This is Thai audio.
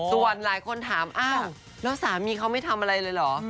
ส่วนหลายคนถามอ้าวแล้วสามีเขาไม่ทำอะไรเลยเหรอ